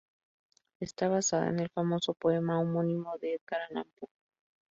Está basada en el famoso poema homónimo de Edgar Allan Poe.